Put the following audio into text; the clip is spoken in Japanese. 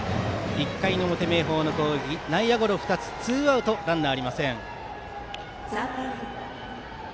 １回の表、明豊の攻撃内野ゴロ２つでツーアウトランナーありません。